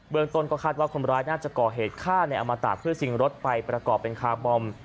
เมืองต้นก็คาดว่าคนร้ายน่าจะก่อเหตุฆ่าในอมตะเพื่อชิงรถไปประกอบเป็นคาร์บอม